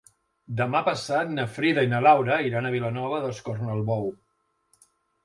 Demà passat na Frida i na Laura iran a Vilanova d'Escornalbou.